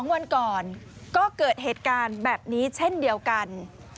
๒วันก่อนก็เกิดเหตุการณ์แบบนี้เช่นเดียวกัน